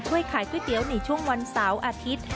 ขายก๋วยเตี๋ยวในช่วงวันเสาร์อาทิตย์